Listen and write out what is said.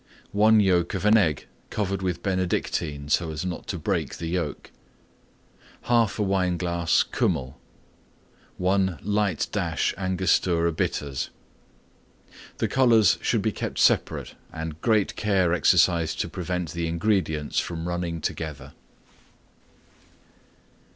1 yolk of an Egg covered with Benedictine so as not to break the yolk. 1/2 Wineglass Kuemmel. 1 light dash Angostura Bitters. The colors should be kept separate and great care exercised to prevent the ingredients from running together.